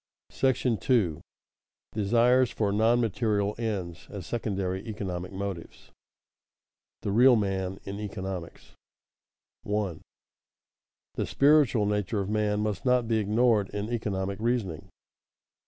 § II. DESIRES FOR NON MATERIAL ENDS, AS SECONDARY ECONOMIC MOTIVES [Sidenote: The real man in economics] 1. _The spiritual nature of man must not be ignored in economic reasoning.